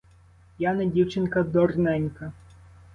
Я не дівчинка дурненька!